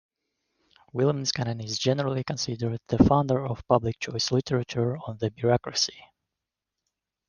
William Niskanen is generally considered the founder of public choice literature on the bureaucracy.